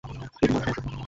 পেরুমল, সমস্যা কী?